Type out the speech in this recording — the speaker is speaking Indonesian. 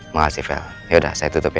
makasih vel yaudah saya tutup ya